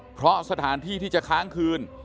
เพราะสถานที่ที่จะค้างคืน